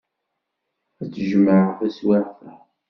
Ad t-tejmeɛ taswiɛt-a.